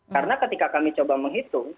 karena ketika kami coba menghitung